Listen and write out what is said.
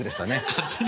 勝手に。